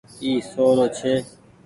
اي سو رو ڇي۔